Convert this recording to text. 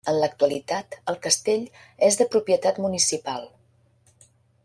En l'actualitat el castell és de propietat municipal.